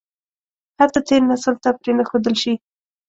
هر څه تېر نسل ته پرې نه ښودل شي.